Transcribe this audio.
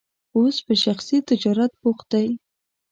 اوس په شخصي تجارت بوخت دی.